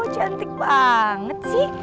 cantik banget sih